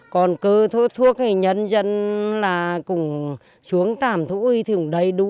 còn cơ thuốc hay nhân dân là cũng xuống trảm thú y thì cũng đầy đủ